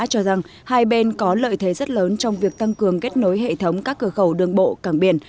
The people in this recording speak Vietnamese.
cho rằng hai bên có lợi thế rất lớn trong việc tăng cường kết nối hệ thống các cửa khẩu đường bộ cảng biển